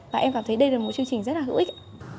và em cảm thấy đây là một chương trình rất là hữu ích